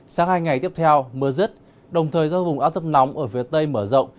sáng hai ngày tiếp theo mưa rứt đồng thời do vùng áo tâm nóng ở phía tây mở rộng